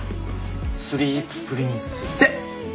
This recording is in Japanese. スリーププリンスで！